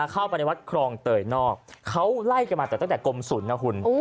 เข้าไปในวัดครองเตยนอกเขาไล่กันมาแต่ตั้งแต่กรมศูนย์นะคุณ